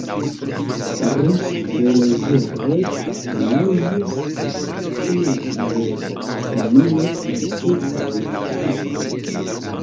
Ros leĝere naĝis en la aero, simile al eta blanka plumo.